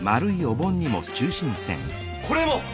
これも！